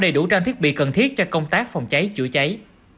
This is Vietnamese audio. đủ ra thiết bị cần thiết cho công tác phòng cháy chữa cháy